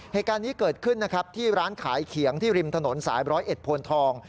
เหตุการณ์นี้เกิดขึ้นที่ร้านขายเขียงที่ริมถนนสาย๑๐๑โพลทอง